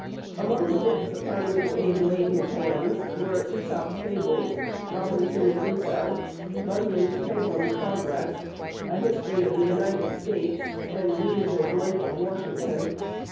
Among the books upon which Abe "laid his hands" were "Æsop's Fables," "Robinson Crusoe," Bunyan's "Pilgrim's Progress," a "History of the United States," and Weems's "Life of Washington."